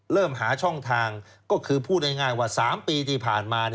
เริ่มหาช่องทางก็คือพูดง่ายว่า๓ปีที่ผ่านมา